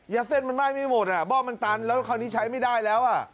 เส้นมันไหม้ไม่หมดอ่ะบ้อมันตันแล้วคราวนี้ใช้ไม่ได้แล้วอ่ะ